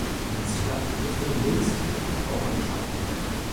Diese Stadt wurde für den Lebensstil der Verbraucher geschaffen.